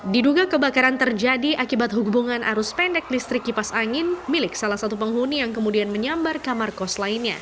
diduga kebakaran terjadi akibat hubungan arus pendek listrik kipas angin milik salah satu penghuni yang kemudian menyambar kamar kos lainnya